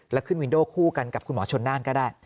แล้วขึ้นวินโดคู่กันกับคุณหมอชนน่านก็ได้